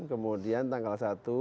kemudian tanggal satu